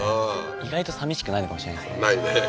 意外とさみしくないのかもしれないですね